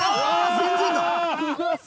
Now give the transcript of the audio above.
全然だ！